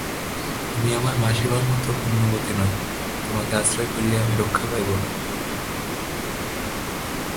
আমি আমার মাসিমার মতো পুণ্যবতী নই, তোমাকে আশ্রয় করিয়া আমি রক্ষা পাইব না।